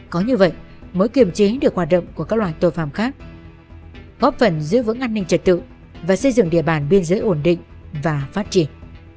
có như vậy mới kiềm chế được hoạt động của các loài tội phạm khác góp phần giữ vững an ninh trật tự và xây dựng địa bàn biên giới ổn định và phát triển